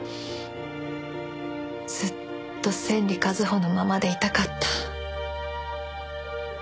ずっと千里一歩のままでいたかった。